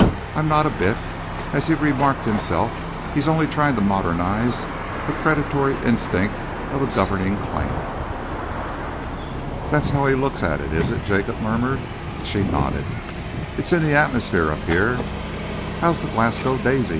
I'm not a bit. As he remarked himself, he's only trying to modernise the predatory instincts of a governing clan." "That's how he looks at it, is it?" Jacob murmured. She nodded. "It's in the atmosphere up here." "How's the Glasgow Daisy?"